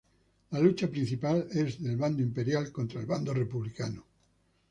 La lucha principal es del bando Imperial contra el bando Republicano.